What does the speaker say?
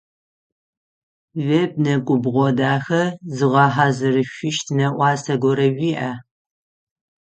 Веб нэкӏубгъо дахэ зыгъэхьазырышъущт нэӏуасэ горэ уиӏа?